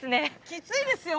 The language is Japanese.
きついですよ。